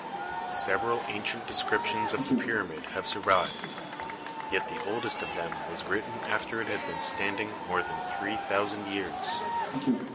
Several ancient descriptions of the pyramid have survived, yet the oldest of them was written after it had been standing more than three thousand years.